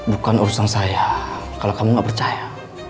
bukan urusan saya kalau kamu nggak percaya